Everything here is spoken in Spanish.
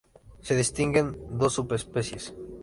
Se distinguen dos subespecies.